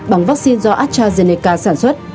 bằng vaccine do astrazeneca sản xuất